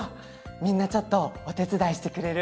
みんなちょっとおてつだいしてくれる？